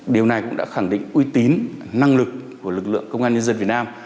điều này cũng đã khẳng định uy tín năng lực của lực lượng công an nhân dân việt nam